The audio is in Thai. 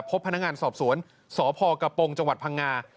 พบพนักงานสอบสวนสพกระโปรงจังหวัดพังงา